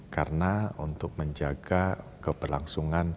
karena untuk menjaga keberlangsungan